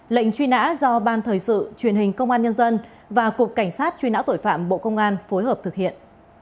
lệnh truy nã do ban thời sự truyền hình công an nhân dân và cục cảnh sát truy nã tội phạm bộ công an phối hợp thực hiện